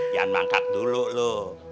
jangan mangkat dulu loh